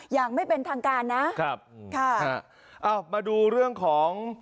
อย่างไม่เป็นทางการนะครับค่ะเอามาดูเรื่องของ